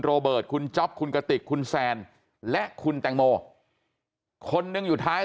โรเบิร์ตคุณจ๊อปคุณกติกคุณแซนและคุณแตงโมคนหนึ่งอยู่ท้าย